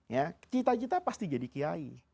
masyarakat kita pasti jadi kiai